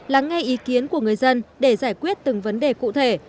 lắng nghe ý kiến của người dân để giải quyết từng vấn đề cụ thể